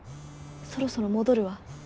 そろそろ戻るわ。